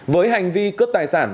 với hành vi cướp tài sản